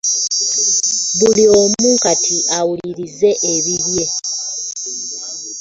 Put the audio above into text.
Buli omu kati awulirize ebibye.